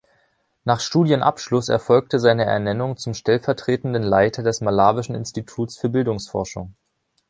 Nach Studienabschluss erfolgte seine Ernennung zum stellvertretenden Leiter des malawischen Instituts für Bildungsforschung.